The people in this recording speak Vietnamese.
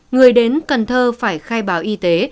người đến tp hcm phải khai báo y tế